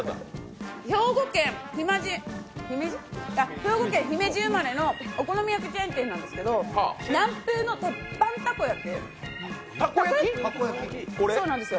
兵庫県姫路生まれのお好み焼きチェーン店なんですけど喃風の鉄板たこ焼きです。